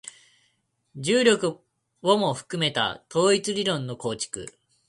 重力をも含めた統一理論の構築